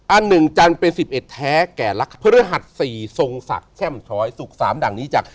อันหนึ่งจันทร์เป็นสิบเอ็ดแท้แก่ลักษณ์พฤหัสสี่ทรงศักดิ์แช่มช้อยสุขสามดั่งนี้จักร